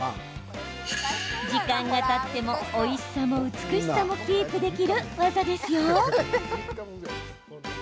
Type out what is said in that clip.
時間がたってもおいしさも美しさもキープできる技ですよ。